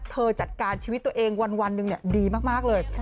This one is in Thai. จัดการชีวิตตัวเองวันหนึ่งดีมากเลย